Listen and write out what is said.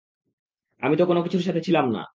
আমি তো কোনোকিছুর সাথে ছিলাম না।